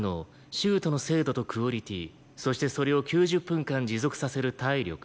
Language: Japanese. シュートの精度とクオリティーそしてそれを９０分間持続させる体力。